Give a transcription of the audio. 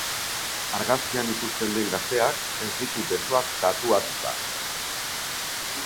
Argazkian ikusten den gazteak ez ditu besoak tatuatua.